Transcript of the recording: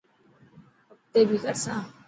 اگتي بي ڪرسان.